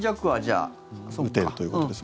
打てるということです。